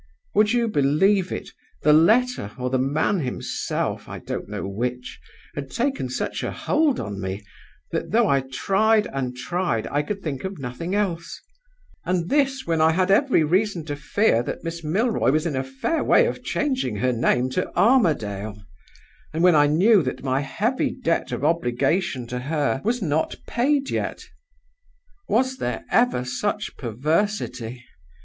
Would you believe it, the letter, or the man himself (I don't know which), had taken such a hold on me that, though I tried and tried, I could think of nothing else; and this when I had every reason to fear that Miss Milroy was in a fair way of changing her name to Armadale, and when I knew that my heavy debt of obligation to her was not paid yet? Was there ever such perversity?